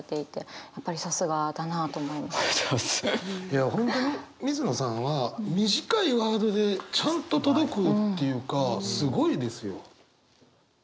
いや本当に水野さんは短いワードでちゃんと届くっていうかすごいですよ。